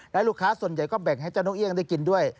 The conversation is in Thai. และลูกค้าส่วนใหญ่ก็แบ่งให้เจ้านกเอี่ยงได้กินด้วย